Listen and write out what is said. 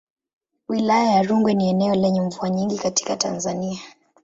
Wilaya ya Rungwe ni eneo lenye mvua nyingi katika Tanzania.